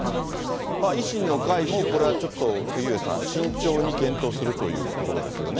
維新の会もこれはちょっと杉上さん、慎重に検討するというところですよね。